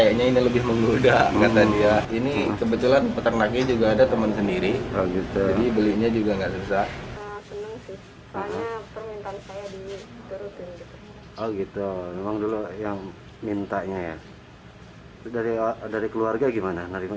awalnya enggak tapi begitu digelasin akhirnya narima